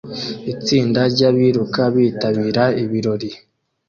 Itsinda ryabiruka bitabira ibirori